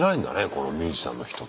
このミュージシャンの人と。